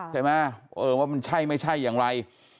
ใช่ไหมเออว่ามันใช่ไม่ใช่อย่างไร